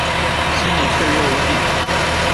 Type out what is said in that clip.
心里雀跃无比